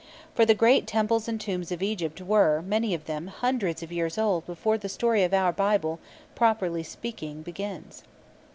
For the great temples and tombs of Egypt were, many of them, hundreds of years old before the story of our Bible, properly speaking, begins.